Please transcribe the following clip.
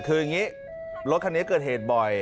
คืออย่างนี้รถคันนี้เกิดเหตุบ่อย